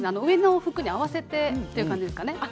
洋服に合わせてという感じですね。